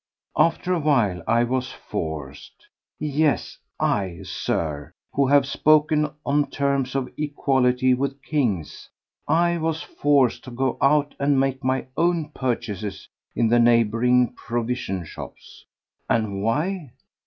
After a while I was forced—yes, I, Sir, who have spoken on terms of equality with kings—I was forced to go out and make my own purchases in the neighbouring provision shops. And why?